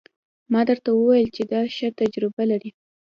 ما درته وويل چې دا ښه تجربه لري.